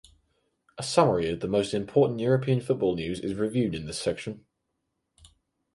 A summary of the most important European football news is reviewed in this section.